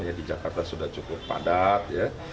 ya di jakarta sudah cukup padat ya